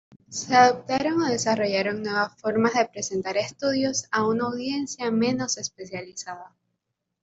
Se adoptaron o desarrollaron nuevas formas de presentar estudios a una audiencia menos especializada.